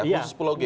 iya pulau g